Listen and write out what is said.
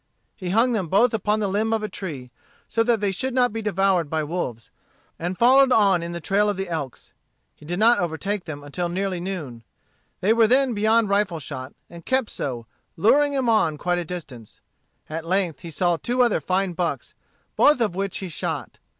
He hung them both upon the limb of a tree, so that they should not be devoured by the wolves, and followed on in the trail of the elks. He did not overtake them until nearly noon. They were then beyond rifle shot, and kept so, luring him on quite a distance. At length he saw two other fine bucks, both of which he shot.